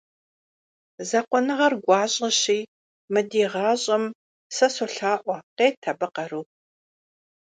Закъуэныгъэр гугъущи мы ди гъащӏэм, сэ солъаӏуэ — къет абы къару.